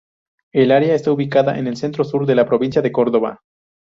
El área está ubicada en el centro sur de la provincia de Córdoba.